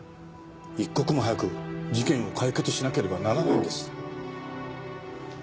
一刻も早く事件を解決しなければならないんです。